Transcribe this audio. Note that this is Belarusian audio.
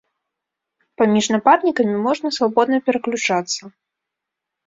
Паміж напарнікамі можна свабодна пераключацца.